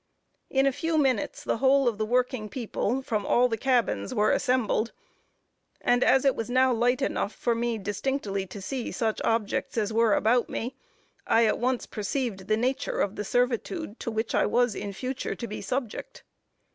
In a few minutes the whole of the working people, from all the cabins, were assembled; and as it was now light enough for me distinctly to see such objects as were about me, I at once perceived the nature of the servitude to which I was, in future, to be subject.